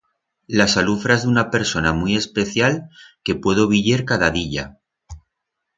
Las alufras d'una persona muit especial que puedo viyer cada diya.